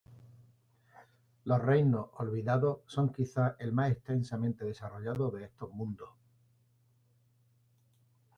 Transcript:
Los reinos olvidados son quizá el más extensamente desarrollado de estos mundos.